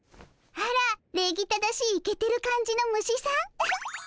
あら礼儀正しいイケてる感じの虫さんウフッ。